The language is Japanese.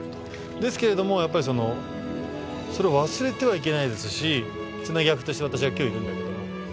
ですけれども、やっぱりそれを忘れてはいけないですし、つなぎ役としてきょういるんだけれども。